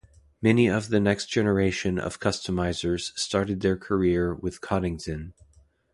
Many of the next generation of customizers started their career with Coddington.